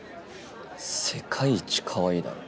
世界一かわいいだろ。